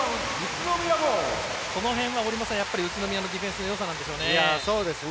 この辺は宇都宮のディフェンスのよさでしょうね。